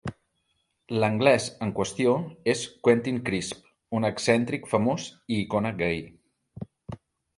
L'"anglès" en qüestió és Quentin Crisp, un excèntric famós i icona gai.